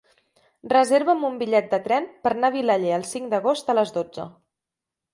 Reserva'm un bitllet de tren per anar a Vilaller el cinc d'agost a les dotze.